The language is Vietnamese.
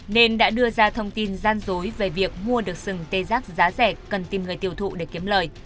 nên đã đưa ra thông tin gian dối về việc mua được sừng tê giác giá rẻ cần tìm người tiêu thụ để kiếm lời